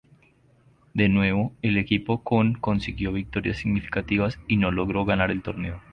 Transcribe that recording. De nuevo, el equipo con consiguió victorias significativas, y no logró ganar el torneo.